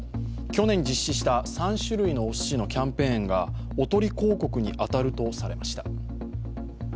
去年実施した３種類のすしのキャンペーンがおとり広告に当たるとされました。